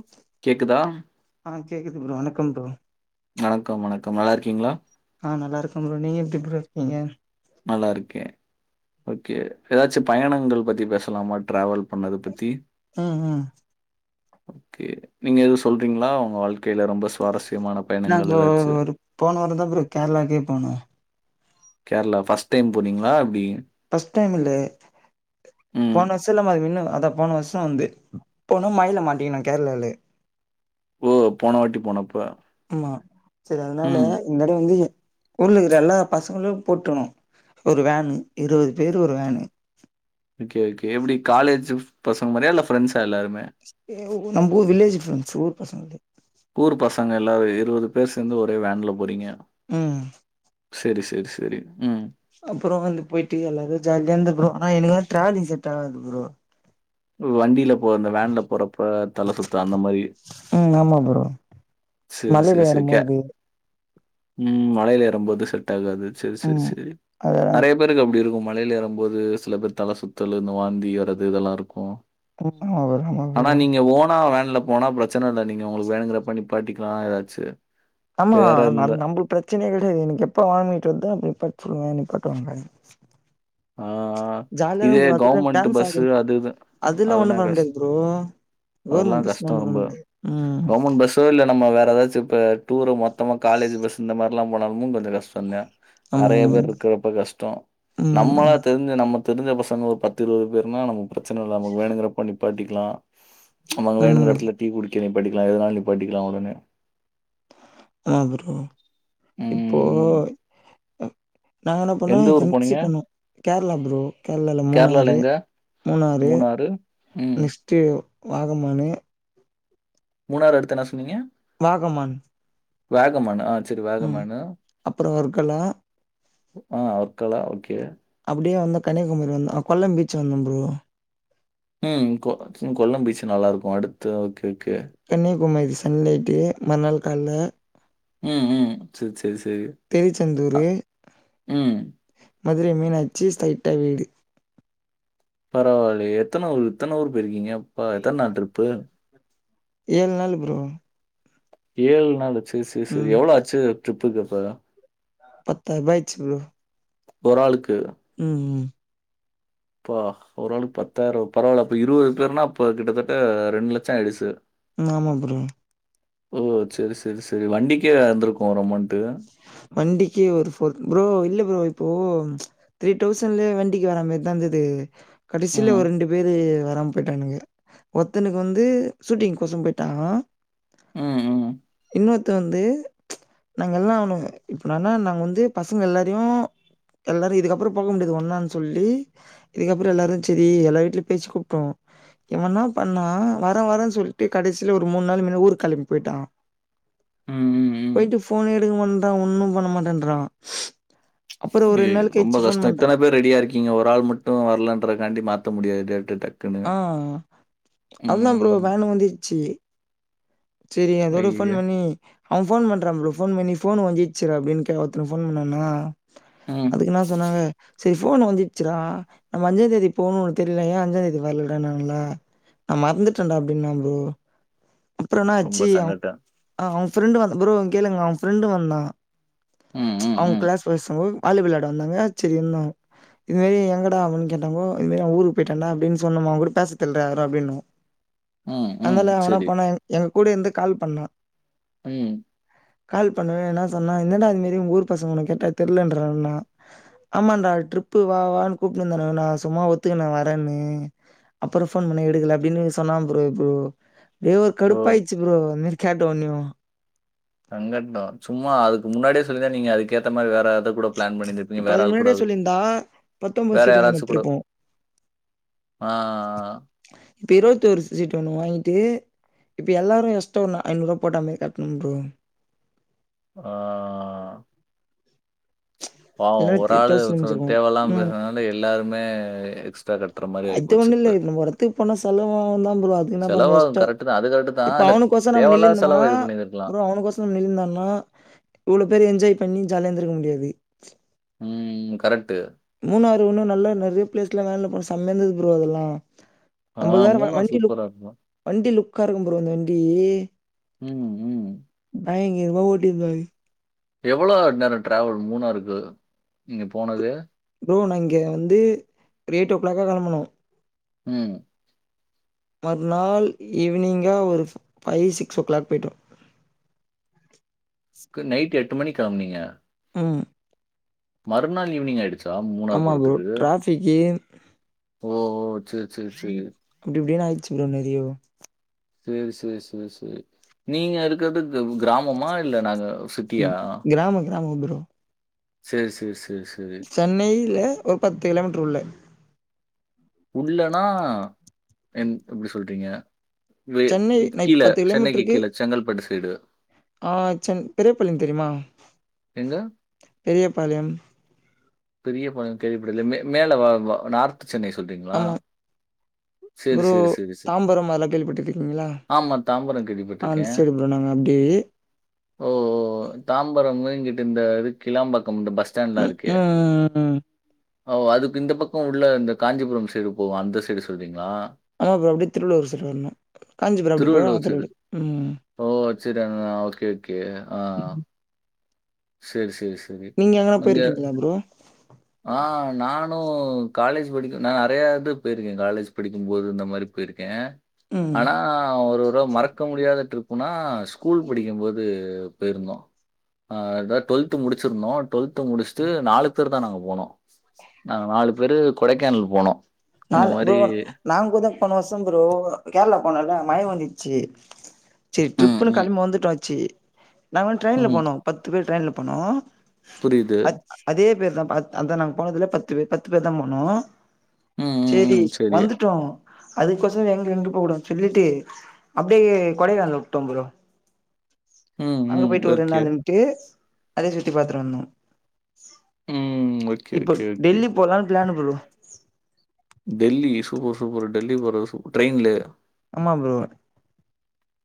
Okay கேக்குதா ஆ கேக்குது ப்ரோ வணக்கம் ப்ரோ வணக்கம் வணக்கம் நல்லா இருக்கீங்களா ஆ நல்லாயிருக்க ப்ரோ நீங்க எப்படி ப்ரோ இருக்கீங்க நல்லா இருக்கே ஓகே ஏதாச்சும் பயணங்கள் பத்தி பேசலாமா ட்ரவல் பண்ணத பத்தி ம் ம் ஓகே நீங்க எது சொல்றீங்களா உங்க வாழ்க்கையில ரொம்ப சுவாரஸ்யமான நாங்க பயணங்கள் ஏதாச்சு? ஒரு போன வாரம் தா ப்ரோ கேரளாக்கே போனோம் கேரளா ஃபர்ஸ்ட் டைம் போனீங்களா எப்டி ஃபர்ஸ்ட் டைம் இல்லே ம். போன வருஷோ இல்லாம அது மின்னு அதா போன வருஷோ வந்து போனோ மழைல மாட்டிக்கணு கேரளாவிலயே ஓ போன வாட்டி போனப்ப ஆமா சேரி அதனால ம். இந்தடம் வந்து ஊர்ல இருக்கற எல்லா பசங்களு போட்டணு ஒரு வேனு இருவது பேரு ஒரு வேனு ஓகே ஓகே எப்டி காலேஜ் பசங்க மாரியா இல்ல ஃப்ரெண்ட்ஸா எல்லாருமே நம்ம ஊர் வில்லேஜ் ஃப்ரெண்ட்ஸ் ஊர் பசங்க அது ஊர் பசங்க எல்லாரு இருபது பேர் சேந்து ஒரே வேன்ல போறீங்க ம் செரி செரி செரி ம் அப்றோ வந்து போயிட்டு எல்லாரு ஜாலியா இந்த ப்ரோ ஆனா எனக்கு டிராவ்லிங் செட் ஆகாது ப்ரோ வண்டில போர ஓ அந்த வேன்ல போரப்ப தல சுத்து அந்த மாரி ம் ஆமா ப்ரோ சரி, சரி, மலேல சரி. கே ஏறம் போது ம் மலைல ஏறம்போது செட் ஆகாது செரி செரி ம் செரி அதெல்லா நெறய பேருக்கு அப்டி இருக்கு மலைல ஏறம்போது சில பேர் தல சுத்தல் இந்த வாந்தி வர்றது இதெல்லா இருக்கு ம் ஆமா ப்ரோ ஆமா ப்ரோ ஆனா நீங்க ஓனா வேன்ல போனா பிரச்சன இல்ல நீங்க உங்களுக்கு வேணுங்கிறப்ப நிப்பாட்டிக்கலா எதாச்சு ஆமா ந நம்மள்க்கு பிரச்சனயே கெடையாது எனக்கு எப்ப வாமிட் வருதோ அப்ப நிப்பாட்ட சொல்லுவ நிப்பாட்டுவாங்க ஆ ஆ ஜாலியா இதே இருக்கு ப்ரோ அதுல கவுமெண்ட் டான்ஸ் ஆடி பஸ்ஸு அது இது அதுலா ஒண்ணு அதுனா பண்ண கஷ் முடியாது ப்ரோ அதெல்லா கவர்மெண்ட் பஸ்லா கஷ்டோ ஒண்ணு பண்ண ரொம்ப முடியாது ம் கவர்மெண்ட் பஸ் டூ வீலர் நம்ம வேர எதாச்சு இப்ப டூரு மொத்தமா காலேஜ்சு பஸ் இந்த மாரில்லா போனாலும் கொஞ்சோ கஷ் சொன்ன ஆமா நெறய ஆமா பேரு இருக்கறப்ப கஷ்டோ ம் நம்மனா ம் தெரிஞ்ச நம்ம தெரிஞ்ச பசங்க ஒரு பத்து இருவது பேருனா நம்ம பிரச்சன இல்ல நமக்கு வேணுங்கிறப்ப நிப்பாட்டிக்கலா நமக்கு வேணுங்கிற ம் எடத்துல டீ குடிக்க நீப்பாட்டிக்கலா எதனாலு நீப்பாட்டிக்கலா ஒடனே ஆ ப்ரோ இப்போ ம். நாங்க என்ன பண்ணோ எந்த என் ஊர் ஃப்ரெண்ட்ஸ் போனீங்க? பண்ணோ கேரளா ப்ரோ கேரளால மூணாரு மூணாறு ம் நெக்ஸ்ட்டு வாகமானு மூணாறு அடுத்து என்ன சொன்னீங்க வாகமான் வேகமானா ஆ சேரி வேகமானு அப்றோ வர்கலா ஆ வர்கலா ஓகே அப்டியே வந்தோ கன்னியாகுமரி வந்தோ கொல்லம் பீச் வந்தோ ப்ரோ ம் கொ கொல்லம் பீச்சு நல்லா இருக்கு அடுத்து ஓகே ஓகே கன்யாகுமரி சன்லைட்டு மறுநாள் கால்ல ம் ம் செரி செரி செரி ஆ திருச்செந்தூர் ம் மதுரை மீனாச்சி ஸ்ட்ரைட்டா வீடு பரவாலயே எத்தன ஊர் இத்தன ஊர் போயிருக்கீங்க எத்தன நாள் ட்ரிப்பு ஏழ் நாளு ப்ரோ ஏழ் நாள் ஆச்சு செரி செரி ம் எவ்ளோ ஆச்சு ட்ரிப்புக்கு அப்ப பத்தாயிரூபா ஆச்சு ப்ரோ ஒராளுக்கு ம் ம் எப்பா ஒரு ஆளுக்கு பத்தாயிரோ பரவால்ல அப்ப இருபது பேருனா அப்ப கிட்டத்தட்ட ரெண்டு லட்சோ ஆயிடுச்சு ஆமா ப்ரோ ஓ சேரி சேரி சேரி வண்டிக்கே வந்திருக்கு ஒரு அமோண்டு வண்டிக்கை ஒரு ஃபோர் ப்ரோ இல்ல ப்ரோ இப்போ ம் த்ரீ தௌசண்ட்லயே வண்டிக்கு வரா மாரி தா கீது கடைசில ம். ஒரு ரெண்டு பேரு வராம போயிட்டானுங்க ஒத்தனுக்கு வந்து ஷூட்டிங் கோசோ போயிட்டாங்க ம், ம். இன்னொருத்த வந்து நாங்கல்லா அவன இப்ப நானா நாங்க வந்து பசங்க எல்லாரையு எல்லாரு இதுக்கப்றோ போக முடியாது ஒன்னான்னு சொல்லி இதுக்கப்றோ எல்லாரு செரி எல்லா வீட்லயு பேச்சி கூப்டோ இவன்னா பண்ணா வர வரன்னு சொல்லிட்டு கடைசில ஒரு மூணு நாள் முன்ன ஊருக் கெளம்பி போயிட்டா ம் ம் ம் போயிட்டு ஃபோனு எடுக்க மாட்றா ஒன்னு பண்ண மாட்டன்றா அப்றோ ஒரு ரெண்டு நாள் கழிச்சு ஃபோன் பண்றா பே ரெடியா இருக்கீங்க ஒரு ஆள் மட்டு வர்லன்ற‌க்காண்டி மாத்த முடியாது டக்குனு ஆ அதா ப்ரோ வேனு வந்துட்சி செரி அதோட ஃபோன் ஐயய்ய! பண்ணி அவ ஃபோன் பண்றா ப்ரோ ஃபோன் பண்ணி ஃபோன் ஒன்ஞ்சிடா அப்டின்னு கே ஒருத்தனு ஃபோன் பண்ணானா ம் அதுக்னா சொன்னாங்க செரி ஃபோன் ஒன்ஞ்சிட்சிடா நம்ம அஞ்சாந்தேதி போணும்னு உனக்கு தெரியுல ஏயா அஞ்சாதேதி வர்லடான்னாங்ளா நா மறந்துட்டன்டா அப்டின்னா ப்ரோ அப்றோ ரொம்ப என்னாச்சி அவ சங்கட்டம். அ அவ ஃப்ரெண்டு வந்த ப்ரோ இங் கேளுங்க அவ ஃப்ரெண்டு வந்தா ம், ம், அவுங்க ம். கிளாஸ் பசங்க பாலு வேளாட வந்தாங்க செரி இவுங்கோ இதுமாரி எங்கடா அவன்னு கேட்டகோ இதுமாரி அவ ஊருக்கு போயிட்டண்டா அப்டின்னு சொல்னுமா அவகூட பேசர்தில்ட யாரு அப்டின்னோ ம், ம். அத்னால அவனா சரி. பண்ணா எங் எங்க கூட இருந்து கால் பண்ணா ம் கால் பண்ணவேனா சொன்னா என்னடா இது மாரி உங்க ஊர் பசங்கள கேட்டா தெர்லன்றாங்கன்னா ஆமாண்டா ட்ரிப்பு வா வான்னு கூப்டுனு இருந்தானுங்க நா சும்மா ஒத்துக்குன வரன்னு அப்றோ ஃபோன் பண்ண எடுக்கல அப்டின்னு சொன்னா ப்ரோ இப்போ டே ஒர் ஓ! கடுப்பாயிட்சி ப்ரோ அந்மாரி கேட்ட ஒன்னேயு சங்கட்டோ சும்மா அதுக்கு முன்னாடியே சொல்லிருந்தா நீங்க அதுக்கேத்த மாரி வேற ஏதா கூட ஒரு பிளான் பண்ணிருந்திருப்பீங்க இப்ப வேற அதுக்கு ஆள் முன்னாடியே கூடாது சொல்லியிருந்தா பத்தொம்போது வேற சீட்டு வாங்கினு யாராச்சு கூடோ வந்திருப்போ ஆ ஆ இப்போ இருவத்தொரு சீட்டு ஒன்னு வாங்கிட்டு இப்போ எல்லாரு எஷ்டா ஒன்ன நா ஐந்நூறுவா போட்ட மாரி காட்ணோ ப்ரோ ஆ பாவோ இல்லனா ஒரு த்ரீ ஆளு தௌசண்ட் சோ மிஞ்சிருக்கும். தேவல்லாம ம். பேசுனதுனால எல்லாருமே எக்ஸ்ட்ரா கட் அது ஒன்னுல்ல நம்ம ஒரு எடத்துக்கு போனா செலவு அவுந்தா ப்ரோ அதுக்கு இன்னா பண்ண முடியு செலவாகும் எஷ்ட்டா கரெக்ட் தான். அது கரெக்ட் தான். இப்ப இல்ல அவனுக்கோசோ நம்ம நில்லு தேவையில்லாத இருந்தமானா செலவ இது பண்ணியிருந்திருக்கலாம். ப்ரோ அவனுக்கோசோ நில்லு இருந்தோம்னா இவ்ளோ பேர் என்ஜாய் பண்ணி ஜாலியாந்திருக்க முடியாது உம் கரெக்ட்டு மூணாறு உன்னு நல்லா நறைய பிளேஸ்லா வேன்ல போனோ செமையா இருந்தது ப்ரோ அதெல்லா ஆ ஐம்பதாயிரூபா மூணார் வண்டி லுக் சூப்பரா இருக்கும். வண்டி லுக்கா இருக்கும் ப்ரோ அந்த வண்டி ம் ம் பைங்கிர்மா ஓட்டிப்பாரு எவ்ளோ நேரோ ட்ராவல் மூணாருக்கு நீங்க போனது ப்ரோ நா இங்க வந்து ஒரு எய்ட்டோ க்ளாக்கா கெளம்புனோ ம் மறுநாள் ஈவ்னிங்கா ஒரு ஃப் பை சிக்ஸோ கிளாக் போய்ட்டோ கு நைட் எட்டு மணிக் கெளம்னீங்க ம் மறுநாள் ஈவ்னிங் ஆய்டுச்சா மூணார் ஆமா ப்ரோ. போறத்துக்கு டிராஃபிக்கு ஓ ஓ சேர் சேர் சேரி அப்டிப்டின்னு ஆயிர்ச்சு ப்ரோ நெறையோ சேரி சேர் சேர் சேர் நீங்க இருக்கற்து கவ் கிராமமா இல்ல நக ம் கிராமோ கிராமோ ப்ரோ சேரி சேரி சேரி சேரி சென்னையில ஒரு பத்து கிலோமீ்ட்ரு உள்ள உள்ளனா என் எப்டி சொல்றீங்க வே சென்னை நான் கீழ இப்ப சென்னைக்கு கிலோமீட்டருக்கு கீழ செங்கல்பட்டு சைடு ஆ சென் பெரியபாள்யம் தெரிய்மா எங்க? பெரியபாளையம் பெரியபாளையம் கேள்விப்பட்டதுல்லே மே மேல வா வா நார்த்து சென்னை சொல்றீங்ளா ஆமா. ப்ரோ தாம்பரம் அத்லா கேள்விபட்ருக்கீங்களா ஆமா, தாம்பரம் ஆ அந்த கேள்விப்பட்டுருக்கேன். சைடு ப்ரோ நாங்க அப்டே ஓ தாம்பரமு இங்கிட்டு இந்த இது கிலாம்பக்கம் இந்த பஸ் ஸ்டாண்ட்லா இருக்கே ம் ம் ஓ அதுக்கு இந்த பக்கோ உள்ள இந்த காஞ்சிபுரம் சைடு போவு அந்த சைடு சொல்றீங்ளா ஆமா ப்ரோ அப்டே திருவள்ளூர் சைடு வர்ணு காஞ்சிபுரம் அப்டி போவு நாங் திருவள்ளூர் ம் ஓ சேரி அ ஓகே ஓகே ஆ சேரி சேரி சேரி நீங்க எங்கனா போயிருக்கீங்களா ப்ரோ ஆ நானு காலேஜ் படிக்கு நா நெறைய இது போய்ருக்கே காலேஜ் படிக்கும் போது இந்த மாரி போய்ருக்கே ம். ஆனா ஒரு ஒரு மறக்க முடியாத ட்ரிப் புனா ஸ்கூல் படிக்கும்போது போய்ருந்தோ அ அதா டொல்த்து முடிச்சிருந்தோ டொல்த்து முடிச்சிட்டு நாலு பேர் தா நாங்க போனோ நாங்க நாலு பேரு கொடைக்கேனல் போனோ நாலு ப்ரோ நாங் கூட் தா போன வர்ஷம் ப்ரோ அ கேரளா போனோ இல்ல மழ வந்துட்ச்சி சேர் ம், ட்ரிப்புன்னு ம், கெளம்ப் வந்துட்டாச்சி நாங்க வந்து ட்ரைன்ல ம். போனோ பத்து பேர் ட்ரைன்ல போனோ புரியுது. அத் அதே பேர் தா பத் அதா நாங் போனதுல பத்து பேர் பத்து பேர் தா போனோ ம், ம், சேரி ம். சரி. வந்துட்டோ அதுக்கொசரோ எங்க எங்க போ குடாதுன் சொல்லிட்டு அப்டே கொடைக்கானல்ல உட்டோ ப்ரோ ம், அங்க ம். போய்ட்டு ஒரு ரெண் ஓகே. நாள் இருந்ட்டு அதையு சுத்தி பாத்துட்டு வந்தோ ம். ஓகே, இப்ப ஓகே, ஓகே. டெல்லி போலான் plan bro Delhi super super Delhi போறது சூப்பர் ட்ரெய்ன்லே ஆமா ப்ரோ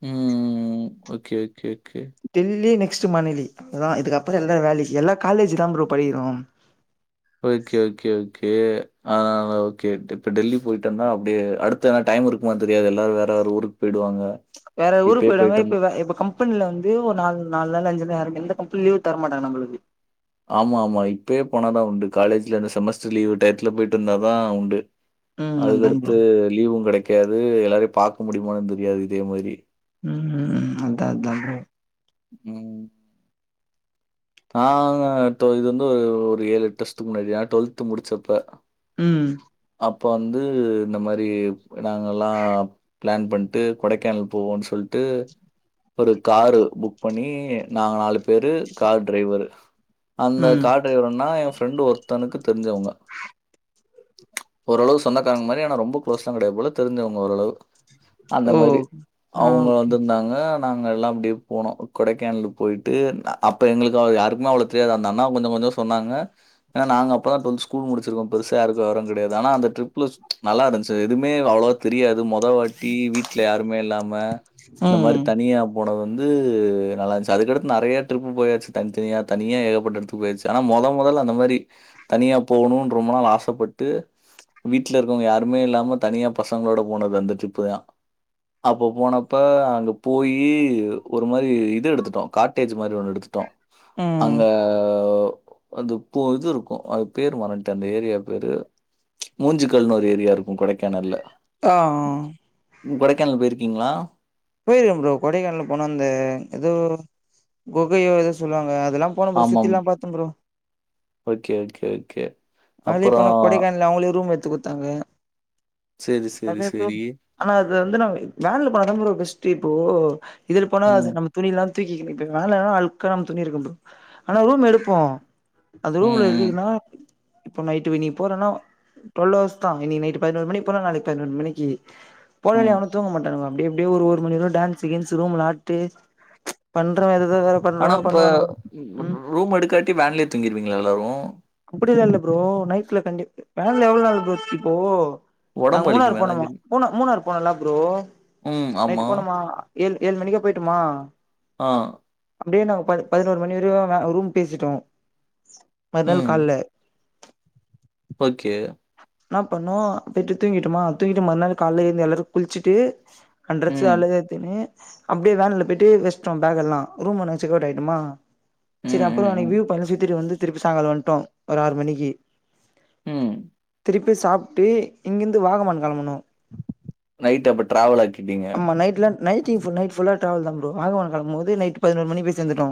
ம் okay okay okay Delhi next Manali அதா இதுக்கப்றோ எல்லாரு வேலை எல்லா காலேஜ் தா ப்ரோ படிக்கிறோ ஓகே ஓகே ஓகே ஆ ஓகே இப்ப டெல்லி போய்ட்டனா அப்டியே அடுத் து வேணா டைம் இருக்குமா தெரியாதுல எல்லாரு வேற வேற ஊருக்கு போய்டுவாங்க வேற ஊருக்கு போய்டுவாங்க இப்ப வ இப்ப கம் பென்ல வந்து ஒரு நால் நால் நாள் அஞ்சு நாள் யாரு எந்த கம்பெனி லீவ் தரமாட்டாங்க நம்ளுக்கு ஆமா ஆமா இப்பையே போனாதா உண்டு காலேஜ்லருந்து செமஸ்டர் லீவ் டயத்துல போய்ட்டு வந்தா உண்டு ம் அதான் ப்ரோ அதுக்கடுத்து லீவு கெடைக்காது எல்லாரையு பாக்க முடிமான் தெரியாது இதே மாரி ம் ம் அதா அதா ப்ரோ ம் நாங்க ட்வெல் இது வந்து ஒரு ஏழெட் வர்ஷத்துக்கு முன்னாடி நா ட்வெல்த்து முடிச்சப்ப ம் அப்ப வந்து இந்த மாரி நாங்கல்லா ப்ளான் பண்ட்டு கொடைக்கானல் போவோன் சொல்ட்டு ஒரு காரு புக் பண்ணி நாங்க நாலு பேரு கார் டிரைவரு அந்த ம் கார் டிரைவர் அண்ணா எ ஃப்ரெண்டு ஒருத்தனுக்கு தெரிஞ்சவங்க ஓரளவு சொந்தக்காரங்க மாரி ஆனா ரொம்ப க்ளோஸ்லா கெடயாது போல தெரிஞ்சவங்க ஓரளவு அந்த ஓ மாரி ஆ அவுங்க ஓகே வந்துருந்தாங்க நாங்க எல்லா‌ அப்டியே போனோ கொடைக்கானல் போய்ட்டு அப்ப எங்களுக்கு யாருக்குமே அவ்ளோ தெரியாது அந்த அண்ணா கொஞ்சொ கொஞ்சொ சொன்னாங்க ஆ நாங்க அப்பதா ட்வெல்த்து ஸ்கூல் முடிச்சிருக்கோ பெருசா யாரு வெவரோ கெடயாது ஆனா அந்த ட்ரிப்ல நல்லாருந்துச்சி எதுமே அவ்ளவா தெரியாது மொதா வாட்டி வீ ட்ல யாருமே இல்லாம இந்த மாரி ம் தனியா போனது வந்து நல்லாருந்துச்சு அதுக்கடுத்து நறைய டிரிப் போயாச்சு தனித்தனியா தனியா ஏகப்பட்ட எடத்துக்கு போயாச்சு ஆனா மொத மொதல்ல அந்த மாரி தனியா போணுன் ரொம்ப நாள் ஆசப்பட் ட்டு வீட்ல இருக்கோங்க யாருமே இல்லாம தனியா பசங்களோட போனது அந்த ட்ரிப்பு தா அப்ப போனப்ப அங்க போயி ஒரு மாரி இது எடுத்துட்டோ காட்டேஜ் மாரி ஒன்னு எடுத்துட்டோ ம் அங்க அந்து பு இது இருக்கு அது பேரு மறன்ட்டே அந்த ஏரியா பேரு மூஞ்சுக்கல்னு ஒரு ஏரியா இருக்கு கொடைக்கானல்ல ஆ ஆ நீங் கொடைக்கானல் போய்ருக்கீங்களா போய்ருக்கே ப்ரோ கொடைக்கானல் போனா அந்த எதோ கொகையோ எதோ சொல்லுவாங்க அதெல்லா போனே ஃப்ரோ ஆமாம். சுத்திலா பாத்தே ஃப்ரோ ஓகே, ஓகே, ஓகே. அதுலயே போன அப்புறம் கொடைக்கானல்ல அவுங்களே ரூம் எட்த்து குட்த்தாங்க சரி, சரி, அதல்லா எப்பயோ சரி. ஆனா அது வந்து வேன்ல போனாதா ஃப்ரோ பெஸ்ட்டு இப்போ இதுல போனா ம். நம்ம துணில்லா தூக்கிணு இப்ப மேல அழுக்கா நம்ம துணி இருக்கு ப்ரோ ஆனா ரூம் எடுப்போ அந்த ம், ரூம்ல ம், எதுக்குன்னா இப்போ நைட்டுக்கு நீ போறன்னா டொல்லவர்ஸ் தா இன்னக்கி நைட்டு பதினொன் மணிக்கு போனா நாளைக்கு பதினொன் மணிக்கி போனாலு ம். எவனு தூங்க மாட்டானுக அப்டி அப்டியே ஒரு ஒரு நம்ம எதோ டான்ஸ்ஸு கீன்ஸு ரூம்ல ஆட்டு பண்றவ எதேதோ வேற ஆனா பண்றவன்லா இப்ப பண்ணுவானுவ ம் ரூம் எடுக்காட்டி வேன்லயே தூங்கிருவீங்ளா எல்லாரு அப்படிலா இல்ல ப்ரோ நைஃப்ல தங்கிட்டு வேன்ல எவ்ள நாள் ப்ரோ இப்போ நாங்க உடம்பு மூணாறு வலிக்குமே அதான் போனமா கேட்டேன். மூணா மூணாறு போனேல ப்ரோ ம். நைட்டு ஆமா. போனமா ஏழ் ஏழ் மணிக்கே போய்ட்டமா ஆ அப்டியே நாங்க ப பதினொரு மணி வரையு வ ரூம் பேசிட்டோ மற்நாள் ம். கால்ல ஓகே என்ன பண்ணுவோ போய்ட்டு தூங்கிட்டமா தூங்கிட்டு மறுநாள் கால்ல எழுந்து எல்லாரு குளிச்சிட்டு அன்டிரஸ் ம். அழுக எத்தினு அப்டியே வேன்ல போய்ட்டு வெச்சுட்டோ ஃபேக் எல்லா ரூம் உனே செக்கவுட் ஆய்ட்டமா சரி ம், அப்ற ம், அனைக்கு ம். வியூ பாய்ன்ட்லா சுத்திட்டு வந்து திருப்பி சாங்கால வன்ட்டோ ஒரு ஆறு மணிக்கு ம் திருப்பி சாப்ட்டு இங்கிருந்து வாகமான் கெளம்பனோ நைட்டு அப்ப டிராவல் ஆக்கி ஆமா நைட்ல நைட்டி ஃபுல் நைட்டு ஃபுல்லா டிராவல் தா ஃபுரோ வாகமான்க்கு வரும் போது நைட்டு பதினோரு மணிக்கு போய் சேந்துட்டோ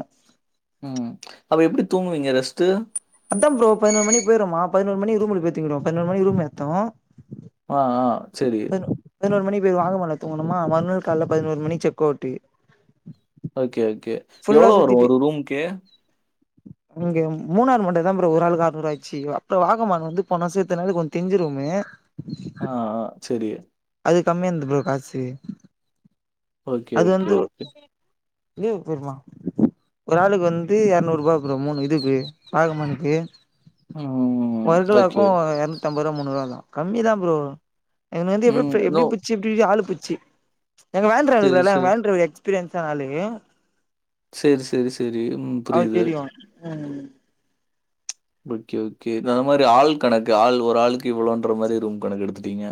ம் அப்ப எப்டி தூங்குவீங்க ரெஸ்ட்டு அதாம் ஃபுரோ பதினொரு மணிக் போய்ருவோமா பதினொரு மணிக்கு ரூம் ல போயி தூங்கிருவோ பதினோரு மணிக்கு ரூம் எடுத்தோ ஆ ஆ செரி பதினோ பதினோரு மணிக்கு போய் வாகமான்ல தூங்கணுமா மறுநாள் கால்ல பதினோரு மணிக்கு செக் அவுட்டு ஓகே ஓகே ஃபுல்லா எவ்வளோ வரும் சுத்திட்டு ஒரு ரூம்க்கு? அங்க மூணாறு மட்டுந்தா ஃபுரோ ஒரு ஆளுக்கு அறுநூறு ஆய்ச்சு அப்பற வாகமான் வந்து போன வருசத்துக்கு எடுத்தனால கொஞ்ச தெரிஞ்ச ரூமு ஆ ஆ செரி அது கம்மியா இருந்து ப்ரோ காசு ஓகே, அது ஓகே, வந்து ஓகே. நியூ போதுமா ஒரு ஆளுக்கு வந்து இரநூறுபா ஃப்ரோ மூணு இதுக்கு வாகமானுக்கு ம். ஓகே. வர்கலாக்கு எர் தம்பரூபா மூன்னூறுபா தா கம்மிதா ஃப்ரோ எங்கள வந்து ம். எப்டி நோ. எப்டி பிரிச்சி எப்டி ஆளு பிரிச்சி எங்க வேன் டிரைவர் சரி, இருக்காருல்ல எங்க சரி. வேன் டிரைவர் எக்ஸ்பீரியன்ஸான ஆளு செரி செரி செ செரி ம் அது புரியுது. தெரியு ம் ஓகே ஓகே அந்த மாரி ஆள் கணக்கு ஆள் ஒரு ஆளுக்கு இவ்ளோன்ற மாரி ரூம் கணக்கு எடுத்துட்டீங்க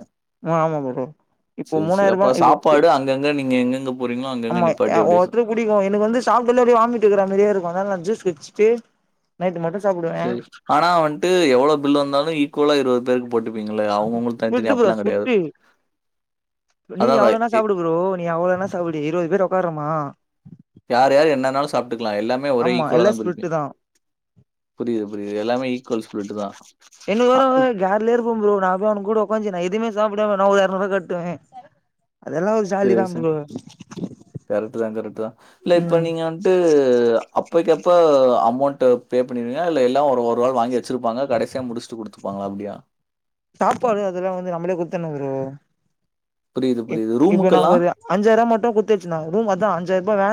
ஆ ஆமா ஃபுரோ சரி சரி அப்ப சாப்பாடு அங்கங்க நீங்க எங்கங்க ஆமா ஒவ்வொருத்தரு புடிக்கு எனக்கு வந்து சாப்ட்டால்லே அப்டியே வாமிட் எடுக்கிற மாரியே இருக்கு அதனால ஜூஸ் குச்சிட்டு நைட்டு மட்டு சாப்டுவ சரி ஆனா வன்ட்டு எவ்ளவு பில் வந்தாலு ஈக்குவலா இருவது பேருக்கு போட்டுப்பீங்கள அவங்க அவங்களுக்கு தனி தனி ஸ்பிரிட்டு ப்ரோ அப்டில்லா கெடயாது ஸ்பிரிட்டு நீ அதாதாய் எவ்ளோனா சாப்டு ப்ரோ நீ அவ்ளோனா சாப்டு இருபது பேர் உக்காரமா யார் யார் என்னனாலு சாப்ட்டுக்கலா எல்லாமே ஒரே ஆமா எல்லா ஈக்குவலாதா ஸ்பிரிட்டு பிரிப்பீங் தா புரியுது புரியுது எல்லாமே ஈக்குவல் ஸ்பிரிட் தா எனக்கு ஓவரா வராது கார்லயே இருப்ப ப்ரோ நா போய் அவனுங்கூட உக்காந்து நா எதுமே சாப்டாம நா ஒரு இரநூருபா கட்டுவே அதெல்லா சரி ஜாலி தா சர் ப்ரோ கரெக்ட்தா கரெக்ட்தா இல்ல இப்ப ம் நீங்க ட்டு அப்பக்கு அப்ப அமௌண்ட் பே பண்ணிருவீங்களா இல்ல எல்லா ஒரு நாள் வாங்கி வச்சிருப்பாங்க கடைசியா முடிச் ச்சு குடுத்துப்பாங்க அப்டியா சாப்பாடு அதெல்லா வந்து நம்மளே குடுத்துன்னு ப்ரோ புரியுது, புரியுது. இப்ப நாங்க ரூமுக்கெல்லாம்? ஒரு அஞ்சாயிரூபா மட்டு குடுத்து வச்சுருந்தாங்க ரூம் அதா அஞ்சாயிரூபா வன்